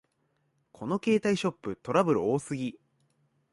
この携帯ショップ、トラブル多すぎ